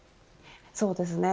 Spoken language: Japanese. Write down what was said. そうですね。